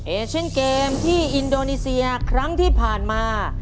เอเชียนเกมที่อินโดนีเซียครั้งที่ผ่านมา